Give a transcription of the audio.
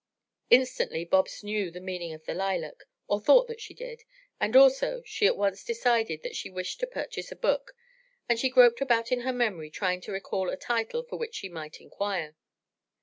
Instantly Bobs knew the meaning of the lilac, or thought that she did, and, also, she at once decided that she wished to purchase a book, and she groped about in her memory trying to recall a title for which she might inquire.